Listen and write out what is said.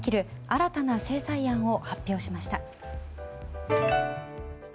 新たな制裁案を発表しました。